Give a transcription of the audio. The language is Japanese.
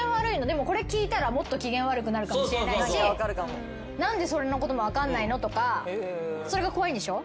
でもこれ聞いたらもっと機嫌悪くなるかもしれないし何でそんなことも分かんないの？とかそれが怖いんでしょ？